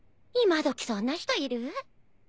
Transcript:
今どきそんな人いる？